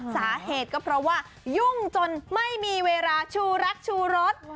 สาเหตุก็เพราะว่ายุ่งจนไม่มีเวลาชูรักชูรถ